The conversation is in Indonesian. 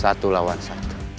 satu lawan satu